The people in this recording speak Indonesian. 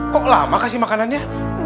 kok lama kasih makanannya